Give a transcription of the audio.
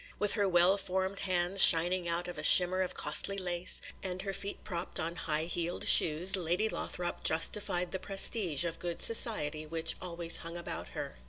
With her well formed hands shining out of a shimmer of costly lace, and her feet propped on high heeled shoes, Lady Lothrop justified the prestige of good society which always hung about her.